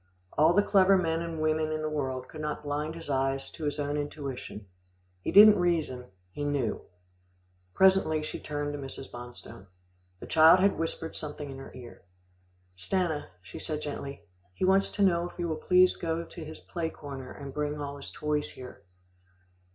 All the clever men and women in the world could not blind his eyes to his own intuition. He didn't reason, he knew. Presently she turned to Mrs. Bonstone. The child had whispered something in her ear. "Stanna," she said gently, "he wants to know if you will please go to his play corner and bring all his toys here."